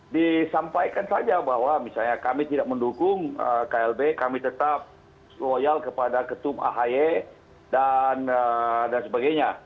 disampaikan saja bahwa misalnya kami tidak mendukung klb kami tetap loyal kepada ketum ahy dan sebagainya